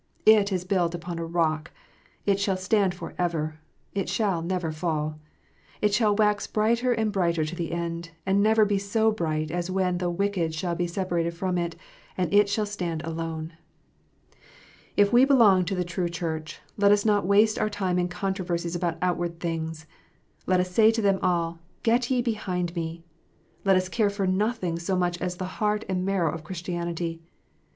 It is built upon a rock. It shall stand for ever. It shall never fall. It shall wax brighter and brighter to the end, and never be so bright as when the wicked shall be separated from it, and it shall stand alone. If we belong to the true Church, let us not waste our time in controversies about outward things. Let us say to them all, " Get ye behind me." Let us care for nothing so much as the heart and marrow of Christianity.